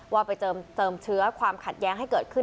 ว่าไปเติมเชื้อความขัดแย้งให้เกิดขึ้น